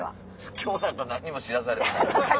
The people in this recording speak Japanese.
今日なんか何にも知らされてない。